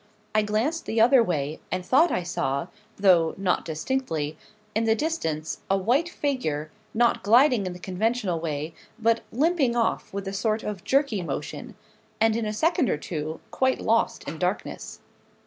I glanced the other way, and thought I saw though not distinctly in the distance a white figure, not gliding in the conventional way, but limping off, with a sort of jerky motion, and, in a second or two, quite lost in darkness.